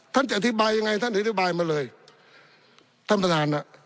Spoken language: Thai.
จะอธิบายยังไงท่านอธิบายมาเลยท่านประธานอ่ะ